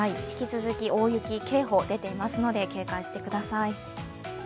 引き続き、大雪警報出ていますので警戒してください。